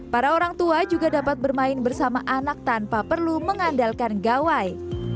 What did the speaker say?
para orang tua juga dapat bermain bersama anak tanpa perlu mengandalkan gawai